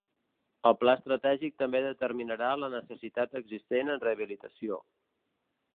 El pla estratègic també determinarà la necessitat existent en rehabilitació.